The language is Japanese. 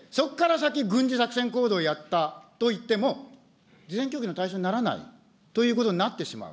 先、軍事作戦行動をやったといっても、事前協議の対象にならないということになってしまう。